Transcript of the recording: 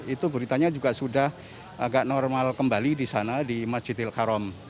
itu beritanya juga sudah agak normal kembali di sana di masjidil haram